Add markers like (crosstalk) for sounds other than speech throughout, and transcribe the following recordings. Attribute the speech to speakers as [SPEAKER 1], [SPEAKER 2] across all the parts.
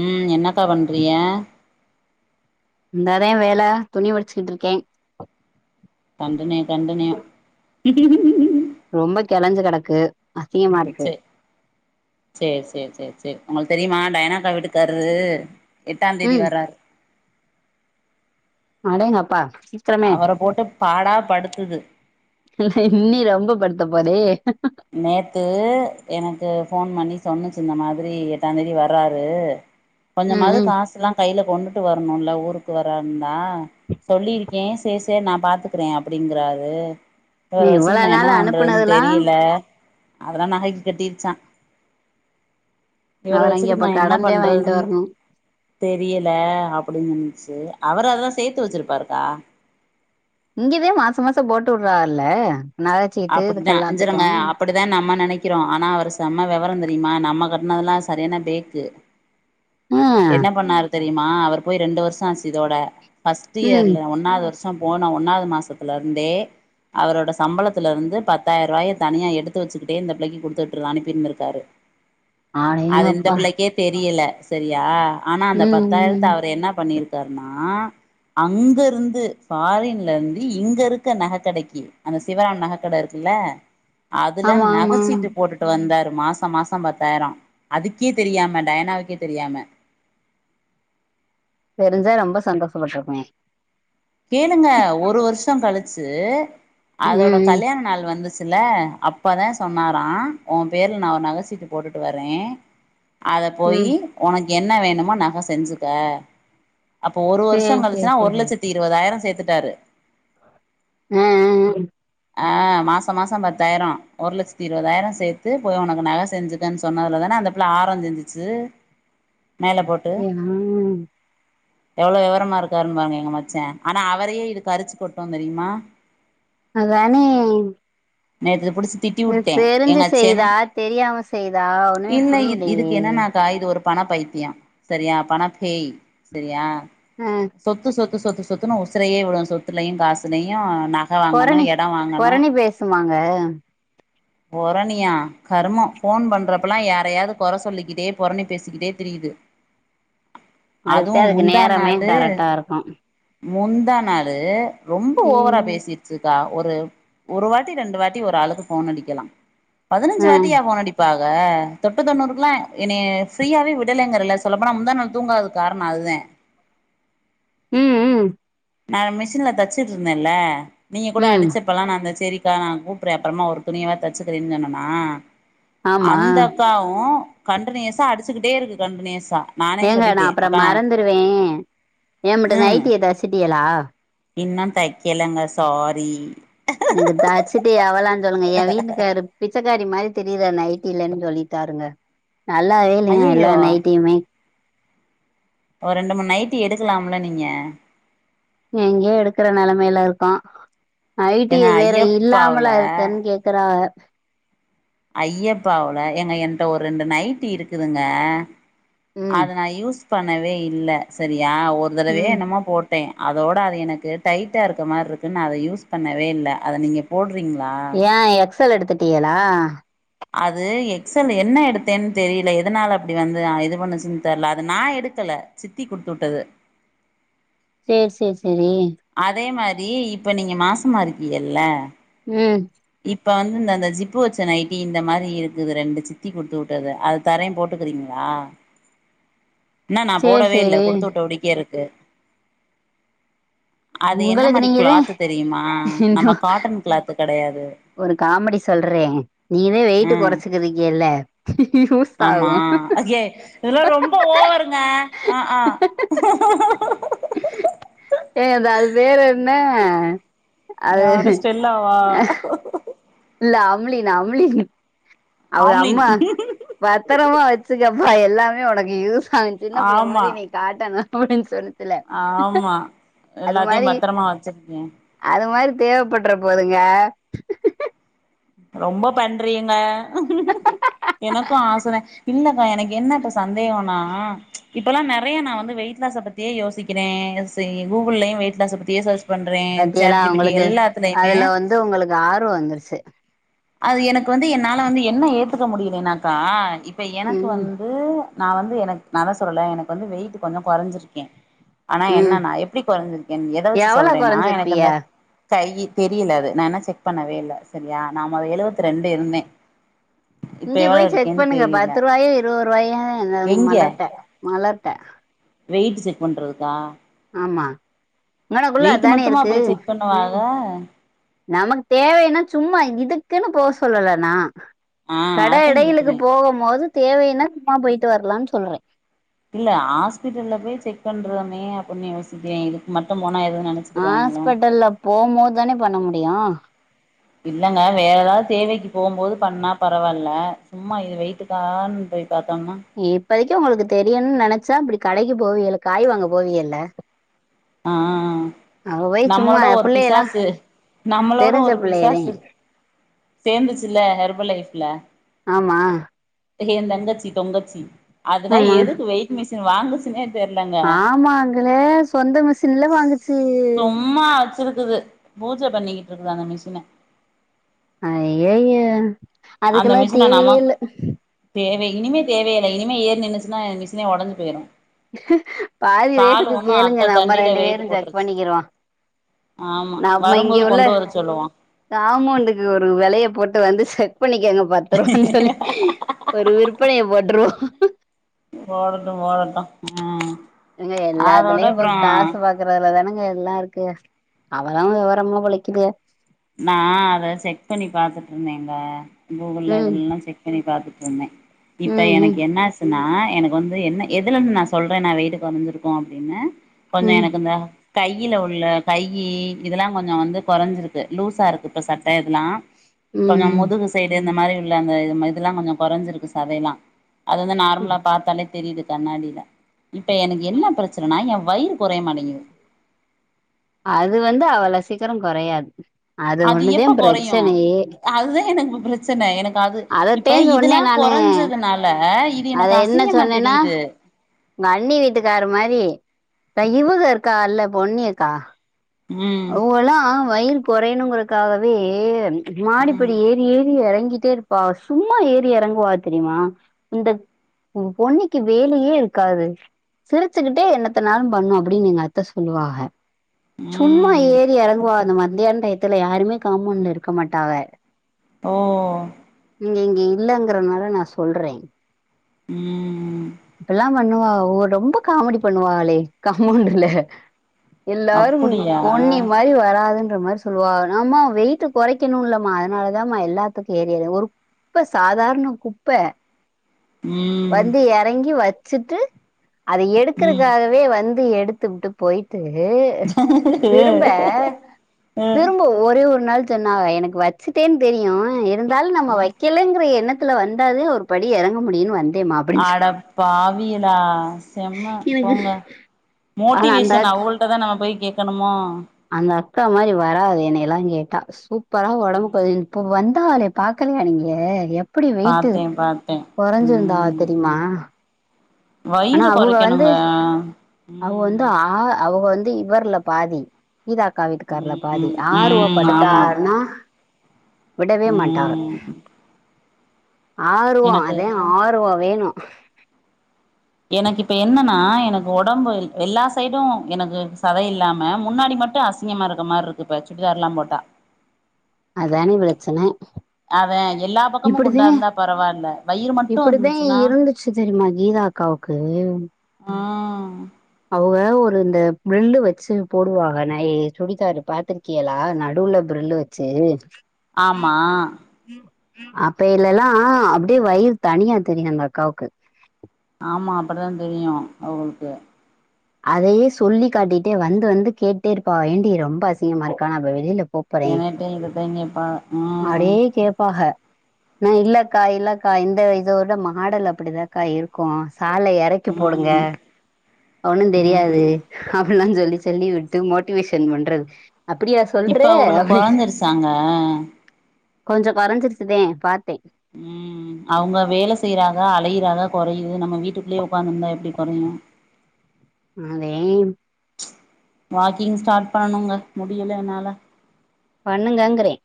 [SPEAKER 1] ம் என்னக்கா பண்றிய
[SPEAKER 2] என்னதா வேல துணி மடிச்சுக்கிட்டு இருக்கே
[SPEAKER 1] கண்டனே கண்டனே
[SPEAKER 2] ரொம்ப கெளஞ்சு கெடக்கு அசிங்கமா இருக்கு
[SPEAKER 1] செரி சேரி சேரி சேரி சேரி உங்களுக்கு தெரியுமா டயனாக்கா வீட்டுக்காரரு எட்டா தேதி
[SPEAKER 2] ம்
[SPEAKER 1] வர்றாரு
[SPEAKER 2] அடேங்கப்பா சீக்கிரமே
[SPEAKER 1] அவர போட்டு பாடா படுத்துது
[SPEAKER 2] இன்னி ரொம்ப படுத்த போதே
[SPEAKER 1] நேத்து எனக்கு ஃபோன் பண்ணி சொன்னிச்சு இந்த மாதிரி எட்டாந்தேதி வர்ராரு
[SPEAKER 2] ம்
[SPEAKER 1] கொஞ்சமாவது
[SPEAKER 2] ம்
[SPEAKER 1] காசுல்லா கையில கொண்டுட்டு வரணுல ஊருக்கு வராருன்னா சொல்லியிருக்கே சேரி சேரி நா பாத்துக்றே அப்டிங்கறாரு
[SPEAKER 2] நீ
[SPEAKER 1] ஒரு
[SPEAKER 2] இவ்வள
[SPEAKER 1] வருசத்துக்கு நா என்ன
[SPEAKER 2] நாள்
[SPEAKER 1] பண்றதுன்னு
[SPEAKER 2] அனுப்புனதெல்லா
[SPEAKER 1] தெரியல அதெல்லா நகைக்கு கட்டிருச்சா இவர
[SPEAKER 2] அவரங்கே
[SPEAKER 1] வச்சுக்கிட்டு
[SPEAKER 2] அப்ப
[SPEAKER 1] நா என்ன
[SPEAKER 2] கடந்தே வாங்கிட்டு
[SPEAKER 1] பண்றது
[SPEAKER 2] வரணு
[SPEAKER 1] தெரியல அப்டின்னுச்சு அவரு அதெல்லா சேத்து வச்சிருப்பாருக்கா
[SPEAKER 2] இங்கதா மாச மாசோ போட்டு விட்றாகல நக
[SPEAKER 1] அப்டிதா அஞ்சிருங்க அப்டி அதுதா நம்ம நெனக்கிறோ ஆனா அவரு செம்ம வெவரோ தெரியுமா நம்ம கட்டுனதெல்லா சரியானா பேக்கு
[SPEAKER 2] ஆ
[SPEAKER 1] என்ன பண்ணாரு தெரியுமா அவர் போய் ரெண்டு வருஷோ ஆச்சு இதோட ஃபர்ஸ்ட்
[SPEAKER 2] ம்
[SPEAKER 1] இயர்ல ஒன்னாவது வருஷ் போன ஒன்னாவது மாசத்துல இருந்தே அவரோட சம்பள த்துல இருந்து பத்தாயிர ரூவாய தனியா எடுத்து வச்சுக்கிட்டே இந்த பிள்ளைக்கு கொடுத்து அனுப்பிருந்துக்ராரு அது இந்த
[SPEAKER 2] அடேங்கப்பா
[SPEAKER 1] பிள்ளைக்கே தெரியல சரியா ஆனா அந்த
[SPEAKER 2] ம்
[SPEAKER 1] பத்தாயிரத்து
[SPEAKER 2] ம்
[SPEAKER 1] அவரு என்ன பண்ணிருக் கார்னா அங்கிருந்து ஃபாரின்ல இருந்து இங்க இருக்க நக கடைக்கு அந்த சிவா நகக்கட இருக்குல அதுல
[SPEAKER 2] ஆமா ஆமா
[SPEAKER 1] நகசீட்டு போட்டுட் வந்தாரு மாச மாசோ பத்தாயிரோ அதுக்கே தெரியாம டயானாவுக்கே தெரியாம
[SPEAKER 2] தெரிஞ்சா ரொம்ப சந்தோஷபட்ருக்கு
[SPEAKER 1] கேளுங்க ஒரு வருஷோ கழிச்சு அதோட
[SPEAKER 2] ம் ம்
[SPEAKER 1] கல்யாண நாள் வந்துச்சுல அப்பதா சொன்னாரா ஒ பேர்ல நா ஒரு நகசீட்டு போட்டுட்டு வரே அத
[SPEAKER 2] ம்
[SPEAKER 1] போயி் உனக்கு என்ன வேணுமோ நக செஞ்சுக்க அப்போ ஒரு வருஷோ
[SPEAKER 2] சேரி சேரி
[SPEAKER 1] கழிச்சுனா ஒரு
[SPEAKER 2] சேரி
[SPEAKER 1] லட்சத்தி இருவதாயிரோ சேத்துட்டாரு
[SPEAKER 2] ம் ம்
[SPEAKER 1] ஆ மாசோ மாசோ பத்தாயிரோ ஒரு லட்சத்தி இருவதாயிரோ சேத்து போய் ஒனக்கு நக செஞ்சு தன் சொன்னதால தான அந்த புள்ள ஆரோ செஞ்சுச்சு மேல போட்டு
[SPEAKER 2] ஆ ஆ
[SPEAKER 1] எவ்ளோ வெவரமா இருக்காருன்னு பாருங்க எங்க மச்சா ஆனா அவரையே இது கருச்சு கொட்டு தெர்யுமா
[SPEAKER 2] அதானே
[SPEAKER 1] நேத்து புடிச் திட்டி
[SPEAKER 2] இது
[SPEAKER 1] வுட்டே
[SPEAKER 2] தெரிஞ்சு
[SPEAKER 1] எங்க சென்
[SPEAKER 2] செய்தா தெரியாம செய்தா ஒண்ணுமே
[SPEAKER 1] இல்ல இ இதுக்கு
[SPEAKER 2] புரியலையே
[SPEAKER 1] என்னாக் கா இது ஒரு பண பைத்தியோ சரியா பண பேய் செரியா
[SPEAKER 2] அ
[SPEAKER 1] சொத்து சொத்து சொத்து சொத்துன்னு உசுரையே வுடு சொத்துலயு காசுலயு நக வாங்கணு எ
[SPEAKER 2] பொறணி பேசுமாங்க
[SPEAKER 1] பொறணியா கருமோ ஃபோன் பண்றப்பல்லா யாரைய்யாவ்து கொற சொல்லிக்கிட்டே பொறணி பேசிக்கிட்டே திரியுது
[SPEAKER 2] அதுக்தா
[SPEAKER 1] அதுவு
[SPEAKER 2] அதுக்கு
[SPEAKER 1] முந்தா
[SPEAKER 2] நேரமே
[SPEAKER 1] நாளு
[SPEAKER 2] கரெக்டாருக்கு
[SPEAKER 1] முந்தா நாளு ரொம்ப ஓவரா
[SPEAKER 2] ம்
[SPEAKER 1] பேசிடுச்சுக்கா ஒரு ஒரு வாட்டி ரெண்டு வாட்டி ஒரு ஆளுக்கு போன் அடிக்கலா பதினஞ்சு
[SPEAKER 2] ஆ
[SPEAKER 1] வாட்டியா போன் அடிக் இப்பாக தொட்டு தொண்ணூறுக்குலா எனைய ஃப்ரீயாவே விடலங்கிறேல்ல சொல்லப் போனா நா முந்தா நாள் தூங்காதுக்கு கார்ணே அதுதா
[SPEAKER 2] ம் ம்
[SPEAKER 1] நா மிஷின்ல தச்சுட்டுருந்தேல்ல நீங்க கூட
[SPEAKER 2] ம்
[SPEAKER 1] அடுச்சு அப்பெல்லா நா அந்த செரிக்கா நா கூப்புட்றே அப்றமா ஒரு துணியாவது தச்சுக்றே சொன்னேனா
[SPEAKER 2] ஆமா
[SPEAKER 1] அந்த அக்காவு கண்டனியஸா அடிச்சுகிட்டே இருக்கு கண்டனியஸா
[SPEAKER 2] ஏங்க நா அப்பறோ மறந்துருவே ஏமட்ட
[SPEAKER 1] ம்
[SPEAKER 2] நைட்டிய தச்சுட்டியலா
[SPEAKER 1] இன்னு தக்கெலங்க சாரி
[SPEAKER 2] எனக்கு தச்சுட்டு எவளோன்னு சொல்லுங்க ஏ வீட் காரு பிச்சக்காரி மாரி தெரியுற நைட்டில்லன்னு சொல்லிட்டாருங்க நல்லாவே இல்லேங்க எல்லா
[SPEAKER 1] ஐயையோ
[SPEAKER 2] நைட்டியுமே
[SPEAKER 1] ஒரு ரெண்டு மூணு நைட்டி எடுக்கலாம்ல நீங்க
[SPEAKER 2] எங்கேயோ எடுக்கற நெலமைல இருக்கோ நைட்டிய
[SPEAKER 1] எங்க
[SPEAKER 2] வேற
[SPEAKER 1] ஐயப்பாவுல
[SPEAKER 2] இல்லாமலா இருக்கன்னு கே க்கறா
[SPEAKER 1] ஐயப்பாவோல ஏங்க எங்கிட்ட ஒரு ரெண்டு நைட்டி இருக்குதுங்க
[SPEAKER 2] ம்
[SPEAKER 1] அத நா யூஸ் பண்ணவே இல்ல சரியா ஒரு தடவ
[SPEAKER 2] ம்
[SPEAKER 1] என்னமோ போட் டே அதோட அது எனக்கு டைட்டா இருக்கற மாரி இருக்குன்னு அத யூஸ் பண்ணவே இல்ல அத நீங்க போட்றீங்களா
[SPEAKER 2] ஏ எக்ஸல் எடுத்துட்டியலா
[SPEAKER 1] அது எக்ஸல் என்ன எடுத்தேன்னு தெரியல எதனால அப்டி வந்து இது பண்ணுச்சுன்னு தெர்ல அது நா எடுக்கல சித்தி குடுத்து வுட்டது
[SPEAKER 2] செர் செர் செரி
[SPEAKER 1] அதே மாரி இப்ப நீங்க மாசமா இருக்கீயல
[SPEAKER 2] ம்
[SPEAKER 1] இப்ப வந்து இந்தந்த தந்த ஜிப்பு வச்ச நைட்டி இந்த மாதிரி இருக்குது ரெண்டு சித்தி குடுத்து வுட்டது அது தரே போட்டுக்குறீங்களா என்ன நா
[SPEAKER 2] சேர்
[SPEAKER 1] போடவே இல்லை
[SPEAKER 2] சேரி
[SPEAKER 1] கொடுத்து உட்ட படிக்கே இருக்கு அது என்ன
[SPEAKER 2] உங்களுக்கு
[SPEAKER 1] மாதிரி
[SPEAKER 2] நீங்கதா
[SPEAKER 1] கிளாத் தெரியுமா
[SPEAKER 2] இன்னு
[SPEAKER 1] நம்ம காட்டன் கிளாத் கெடையாது
[SPEAKER 2] ஒரு காமெடி சொல்றே நீதே வெயிட்டு்
[SPEAKER 1] ம்
[SPEAKER 2] குறைச்சுக்குறீங்கல்ல (unintelligible)
[SPEAKER 1] ஆமா அகே இதெல்லா ரொம்ப ஓவரு அ ஆ ஆ
[SPEAKER 2] ஏ அது அது பேரு என்ன அது
[SPEAKER 1] யாரு ஸ்டெல்லாவா
[SPEAKER 2] இல்ல அம்ளின் அம்ளின் அவங்க
[SPEAKER 1] ஆம்லின்
[SPEAKER 2] அம்மா பத்திரமா வச்சுக்கப்பா எல்லாமே உனக்கு யூஸ் ஆச் சின்ன பிள்ள மாரி
[SPEAKER 1] ஆமா
[SPEAKER 2] நீ காட்டணு அப்டின்னு சொல்
[SPEAKER 1] ஆமா எல்லாத்தையு
[SPEAKER 2] மாரி
[SPEAKER 1] பத்திரமா வச்சிருக்கே
[SPEAKER 2] அது மாதிரி தேவைப்பட்ற போதுங்க
[SPEAKER 1] ரொம்ப பண்றீங்க எனக்கு ஆசதே இல்லங்க எனக்கு என்ன இப்ப சந்தேகன்னா இப்பெல்லா நறைய நா வந்து வெயிட் லாச பத் தியே யோசிக்கிறே சரி கூகுள்லயு வெயிட் லாச பத்தியே சேர்ச் பண்றே சேட் ஜி பி டி எல்லாத்துலயுமே
[SPEAKER 2] அது உங்களுக்கு ஆர்வோ வந்துருச்சு
[SPEAKER 1] அது எனக்கு வந்து என்னால வந்து என்ன ஏத்துக்க முடியலன்னாக்கா இப்ப எனக்கு
[SPEAKER 2] ம்
[SPEAKER 1] வந்து நான் வந்து எனக்கு நா அதா சொல்றல்ல எனக்கு வந்து வெயிட் கொஞ்சோ குறைஞ்சிருக்கே ஆனா
[SPEAKER 2] ம்
[SPEAKER 1] என்னண்ணா எப்டி குறைஞ்சிருக்கே எத வச்சு
[SPEAKER 2] எவ்வளோ
[SPEAKER 1] சொல்றேன்னா எனக்கு
[SPEAKER 2] கொறஞ்சிருப்பிய
[SPEAKER 1] அந்த கை தெரியல அது நான் என்ன செக் பண்ணவே இல்ல சரியா நா மொதல்ல எழுவத்தி ரெண்டு இருந்தே இப்ப
[SPEAKER 2] இங்க
[SPEAKER 1] எவ்ளோ
[SPEAKER 2] போய் செக்
[SPEAKER 1] இருக்கேன்னு
[SPEAKER 2] பண்ணுங்க
[SPEAKER 1] தெரியல
[SPEAKER 2] பத்து ரூபாயோ இருபது ரூபாயோ தா இருந்தது
[SPEAKER 1] எங்க
[SPEAKER 2] மலர்ட்ட மலர்ட்ட
[SPEAKER 1] வெயிட் செக் பண்ணுறதுக்கா
[SPEAKER 2] ஆமா இங்கனக்குள்ள அதான இருக்கு
[SPEAKER 1] ஆ அதா
[SPEAKER 2] நமக்கு தேவைன்னா சும்மா இதுக்குன்னு போக சொல்லல நா
[SPEAKER 1] ஆ
[SPEAKER 2] கடை
[SPEAKER 1] அதா
[SPEAKER 2] கிடைகளுக்கு
[SPEAKER 1] கேக்குறே
[SPEAKER 2] போகம் போது தேவைன்னா சும்மா போயிட்டு வரலாம்னு சொல்றே
[SPEAKER 1] இல்ல ஹாஸ்பிட்டல்ல போய் செக் பண்றதமே அப்டின்னு யோசிக்கே இதுக்கு மட்டு போனா எது நெனைச்
[SPEAKER 2] ஹாஸ்பிட்டல்ல போம் போது தானே பண்ண முடியு
[SPEAKER 1] இல்லங்க வேற ஏதாவது தேவைக்கு போம்போது பண்ணா பரவாயில்ல சும்மா இது வெயிட்டுக்கான்னு போய் பாத்தோம்னா
[SPEAKER 2] இப்பதக்கே உங்களுக்கு தெரியுன்னு நெனச்சா அப்டி கடைக்கு போவல்ல காய் வாங்க போவியல்ல
[SPEAKER 1] ஆ ஆ ஆ
[SPEAKER 2] அவ போய் சும்மா
[SPEAKER 1] நம்மளோட ஒரு
[SPEAKER 2] பிள்ளையெல்லாம்
[SPEAKER 1] பிசாசு நம்மளோட
[SPEAKER 2] தெரிஞ்ச
[SPEAKER 1] ஒரு
[SPEAKER 2] பிள்ளையதே
[SPEAKER 1] பிசாசு சேர்ந்துச்சில்ல ஹெர்பல் லைஃப்ல
[SPEAKER 2] ஆமா
[SPEAKER 1] ஏ தங்கச்சி தொங்கச்சி அதெல்லா
[SPEAKER 2] ஆமா
[SPEAKER 1] எதுக்கு வெயிட் மிஷின் வாங்குச்சுன்னே
[SPEAKER 2] ஆமாங்களே சொந்த மிஷின்ல வாங்குச்சு
[SPEAKER 1] சும்மா வச்சிருக்குது பூஜை பண்ணிக்கிட்டு இருக்க்குறாங்க அந்த மிஷின
[SPEAKER 2] ஐய்யய்யோ அதுக்கெல்லா தேவயே இல்ல
[SPEAKER 1] தேவ இனிமே தேவயே இல்ல இன்மே ஏறி நின்னுச்சுன்னா மிஷினே உடஞ்சு போயிடு
[SPEAKER 2] பாதி ரெட்டுக்கு கேளுங்க
[SPEAKER 1] அத்த
[SPEAKER 2] நம்ம
[SPEAKER 1] தண்டில
[SPEAKER 2] ரெண்டு
[SPEAKER 1] வெயிட்டு
[SPEAKER 2] பேரும் செக்
[SPEAKER 1] போட்ருச்சு
[SPEAKER 2] பண்ணிக்கிருவோ
[SPEAKER 1] ஆமா வரும்போது கொண்டு வர சொல்லுவோ
[SPEAKER 2] காமவுண்டுக்கு ஒரு விலைய போட்டு வந்து செக் பண்ணிக்கோங்க பத்துருவான்னு சொல்லி ஒரு விற்பனையை போட்டுருவோ
[SPEAKER 1] போடட்டு போடட்டு ம்
[SPEAKER 2] ஏங்க எல்லா
[SPEAKER 1] அதோட
[SPEAKER 2] இதுலயு இப்ப
[SPEAKER 1] அப்றோ
[SPEAKER 2] காசு பாக் குறதுலதானங்க எல்லா இருக்கு அவதாங்க வெவரமா பொழைக்குதுக
[SPEAKER 1] நா அத செக் பண்ணி பாத்துட்ருந்தேங்க கூகுள்ல
[SPEAKER 2] ம்
[SPEAKER 1] இதுலல்லா செக் பண்ணி பாத்துட்ருந்தே இப்ப எனக்கு
[SPEAKER 2] ம்
[SPEAKER 1] என்னாச் சின்னா எனக்கு வந்து என்ன எதுல இருந்து நா சொல்றே நா வெயிட்டு கொறஞ்சிருக்கோ அப்டின்னு கொஞ்சோ
[SPEAKER 2] ம்
[SPEAKER 1] எனக்கு இந்த கையில உள்ள கையி இதெல்லா கொஞ்சோ வந்து கொறஞ்சிருக்கு து லூசா இருக்கு இப்ப சட்ட இதெல்லா கொஞ்சோ
[SPEAKER 2] ம்
[SPEAKER 1] முதுகு சைடு இந்த மாரி உள்ள அந்த இதெல்லா கொஞ்சோ கொறைஞ்சிருக்கு சதையெல்லா அது வந்து
[SPEAKER 2] ம்
[SPEAKER 1] நார்மலா பாத்தாலே தெரியிது கண்ணாடில இப்ப எனக்கு என்ன பிரச்சனன்னா ஏ வயிறு கொறைய மாட்டேங்கிது
[SPEAKER 2] அது வந்து அவள சீக்கரோ கொறையாது
[SPEAKER 1] அது
[SPEAKER 2] ஒண்ணுதே
[SPEAKER 1] எப்ப கொறையு
[SPEAKER 2] பிரச்சனையே
[SPEAKER 1] அதுதா எனக்கு இப்ப பிரச்சனை எனக்கு அது
[SPEAKER 2] அதத்தே
[SPEAKER 1] இப்ப
[SPEAKER 2] சொன்னே
[SPEAKER 1] இதுலா
[SPEAKER 2] நானு
[SPEAKER 1] கொறஞ்சதுனால இது
[SPEAKER 2] அத
[SPEAKER 1] எனக்கு
[SPEAKER 2] என்ன
[SPEAKER 1] அசிங்கமா
[SPEAKER 2] சொன்னேன்னா
[SPEAKER 1] தெரியிது
[SPEAKER 2] உங்க அண்ணி வீட்டுக்கார் மாரி இந்த இவுக இருக்காகல்ல பொன்னியக்கா
[SPEAKER 1] ம்
[SPEAKER 2] அவுகல்லா வயிறு கொறையணுங்கறக்காகவே
[SPEAKER 1] ம்
[SPEAKER 2] மாடிப்படி ஏறி ஏறி எறங்கிட்டே இருப்பாக சும்மா ஏறி எறங்குவாக தெரியுமா இந்த பொன்னிக்கு வேலையே இருக்காது சிரிச்சிக்கிட்டே என்னத்தனாளு பண்ணு அப்டின்னு எங்க அத்த சொல்லுவாக சும்மா
[SPEAKER 1] ம்
[SPEAKER 2] ஏறி எறங்குவாக அந்த மத்தியான டயத்துல யாருமே காமவுன்டுல இருக்க மாட்டாக
[SPEAKER 1] ஓ
[SPEAKER 2] நீங்க இங்க இல்லங்கறனால நா சொல்றே
[SPEAKER 1] ம்
[SPEAKER 2] இப்டில்லா பண்ணுவாக அவுக ரொம்ப காமெடி பண்ணுவாகலே காமவுண்டுல எல்லாருங்
[SPEAKER 1] அப்புடியா
[SPEAKER 2] வராதுன்ற மாரி சொல்லுவாக நம்ம வெய்ட்டு கொறைக்கணுல்லம்மா அதனாலதாம்மா எல்லாத்துக்கு ஏறி எறங் ஒரு குப்ப சாதாரண குப்ப
[SPEAKER 1] ம்
[SPEAKER 2] வந்து எறங்கி வச்சிட்டு அத
[SPEAKER 1] ம் ம்
[SPEAKER 2] எடுக்கறக்காகவே வந் து எடுத்துபுட்டு போயிட்டு திரும்ப திரும்ப ஒரே ஒரு நாள் சொன்னாக எனக்கு வச்சிட்டேன்னு தெரியு இருந்தாலு நம்ம வைக்கலங்கிற எண்ணத்துல வந்தாத ஒரு படி எறங்க முடியுன்னு வந்தேம்மா
[SPEAKER 1] அடப்பாவிகளா செம்ம
[SPEAKER 2] எனக்கு
[SPEAKER 1] போங்க
[SPEAKER 2] ஆனா அந்த
[SPEAKER 1] மோட்டிவேஷன் அவுகள் ட்டதா நம்ம போய் கேக்கணுமா
[SPEAKER 2] அந்த அக்கா மாரி வராது என்னயல்லா கேட்டா சூப்பரா ஒடம்பு கொறையு
[SPEAKER 1] ம்
[SPEAKER 2] இப்ப வந் தாகலே பாக்கலையா நீங்க எப்டி வெயிட்டு
[SPEAKER 1] பாத்தே பாத்தே
[SPEAKER 2] கொறைஞ்சிருந்தாக
[SPEAKER 1] ம்
[SPEAKER 2] தெரியுமா ஆனா
[SPEAKER 1] வயிறு
[SPEAKER 2] அவுக வந்து
[SPEAKER 1] கொறைக்கணுங்க
[SPEAKER 2] அவுக வந்து
[SPEAKER 1] ம்
[SPEAKER 2] ஆ அவுக வந்து இவர்ல பாதி கீதாக்கா வீட்டுக்கார்ல பாதி
[SPEAKER 1] ம்
[SPEAKER 2] ஆர்வ
[SPEAKER 1] ம் ஆமா
[SPEAKER 2] பட்டுட்டாகன்னா விடவே மாட்டாக
[SPEAKER 1] ம்
[SPEAKER 2] ஆர்வோ
[SPEAKER 1] எனக்கு
[SPEAKER 2] அதே ஆர்வோ வேணு
[SPEAKER 1] எனக்கு இப்ப என்னன்னா எனக்கு ஒடம்பு எல்லா சைடு எனக்கு சதை இல்லாம முன்னாடி மட்டு அசிங் கமா இருக்க மாரி இருக்கு இப்ப சுடிதார்ல்லா போட்டா
[SPEAKER 2] அதானே பிரச்சனை
[SPEAKER 1] அதா எல்லா பக்கமு குண்டா இருந்தா பரவாயில்ல வயிறு மட்டு இருந்துச்சுன்னா
[SPEAKER 2] விசயோ தெரியுமா கீதா அக்காவுக்கு
[SPEAKER 1] ம்
[SPEAKER 2] அவங்க ஒரு இந்த பிரில்லு வச்சு போடுவாங்க நான் சுடித்தாரு பாத்திருக்கிலா நடுவுல பிரில்லு சேரி
[SPEAKER 1] ஆமா
[SPEAKER 2] அப்ப இல்லல்லாம் அப்டியே வயிறு தனியா தெரியும் அந்த அக்காவுக்கு
[SPEAKER 1] ஆமா அப்டித்தான் தெரியும் அவங்களுக்கு
[SPEAKER 2] அதையே சொல்லி காட்டிட்டே வந்து வந்து கேட்டே இருப்பாக ஏண்டி ரொம்ப அசிங்கமா இருக்கா வெளியில போ
[SPEAKER 1] என்னிட்டயும் இத தான் கேட்ப்பா ஆ
[SPEAKER 2] நறைய கேட்பாக நா இல்லக்கா இல்லக்கா இந்த இதோட மாடல் அப்டிதாக்கா இருக்கும் சாலை இறக் கி போடுங்க
[SPEAKER 1] ம்
[SPEAKER 2] ஒன்னும் தெரியாது
[SPEAKER 1] ம்
[SPEAKER 2] அப்டிதான் சொல்லி சொல்லி விட்டு மோட்டிவேஷன் பண்றது அப்டியா சொல்ற அப்டி
[SPEAKER 1] நாங்க
[SPEAKER 2] கொஞ்சம் குறைஞ்சிருச்சிதேன் பார்த்தேன்
[SPEAKER 1] ம் அவங்க வேலை செய்றாங்க அலையுறாங்க குறையுது நம்ம வீட்டுக்குள்ளேயே உட்காந்துருந்தா எப்டி கொறையும்
[SPEAKER 2] அதேம்
[SPEAKER 1] வாக்கிங் ஸ்டார்ட் பண்ணனுங்க முடில என்னால
[SPEAKER 2] பண்ணுங்கங்கிறேன்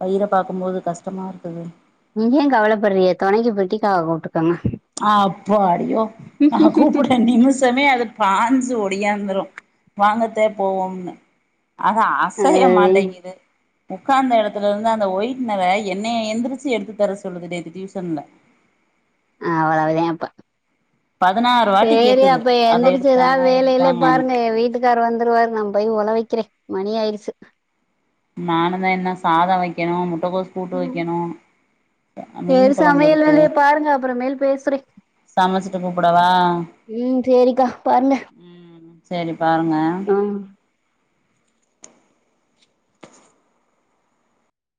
[SPEAKER 1] வயிற பாக்கும்போது கஷ்டமா இருக்குது
[SPEAKER 2] நீங்க ஏ கவலப்படுறீங்க தொணைக்கி பிரிட்டிக்காவ கூப்டுக்கங்க
[SPEAKER 1] அப்பாடியோ நா கூப்புரேன் நிமிஷமே அது பாஞ்சு ஒடியாந்துரும் வாங்கத்தே போவோம்னு அது அசைய மாட்டேங்கிது உட்காந்த எடத்துலருந்து அந்த ஒயி்ட்னர என்னைய எந்திரிச்சு எடுத்து தர சொல்லுது நேத்து டியூசன்ல
[SPEAKER 2] அவ்ளோதே அப்ப
[SPEAKER 1] பதினாறு வாட்டி
[SPEAKER 2] சேரி
[SPEAKER 1] கேக்குது
[SPEAKER 2] அப்ப
[SPEAKER 1] அத
[SPEAKER 2] எந்திரிச்சு எதா
[SPEAKER 1] எடுத்தாங்க
[SPEAKER 2] வேல கீலய
[SPEAKER 1] எடுத்தாங்கன்னு
[SPEAKER 2] பாருங்க என் வீட்டு கார் வந்துருவாரு நா போய் ஒழ வக்கிறேன் மணியாய்டுச்சு
[SPEAKER 1] நானும் தா என்ன சாதம் வைக்கணும் முட்டைக்கோஸ் கூட்டு
[SPEAKER 2] ம்
[SPEAKER 1] வைக்கணும்
[SPEAKER 2] சேரி சமையல் வேலைய பாருங்க அப்புற மேல் பேசுறேன்
[SPEAKER 1] சமச்சிட்டு கூப்படவா
[SPEAKER 2] ம் சேரிக்கா பாருங்க
[SPEAKER 1] ம் சேரி பாருங்க
[SPEAKER 2] ம்